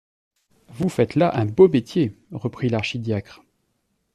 Vous faites là un beau métier! reprit l’archidiacre.